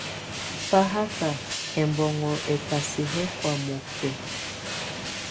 Fahaka ɛmbɔnŋɔ ɛkasɛ yɛ kɔa mɔbɛ.